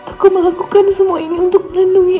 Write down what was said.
aku melakukan semua ini untuk menenuhi elsa